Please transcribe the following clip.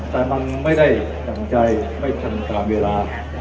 แต่มันไม่ได้ดั่งใจไม่ทันตามเวลา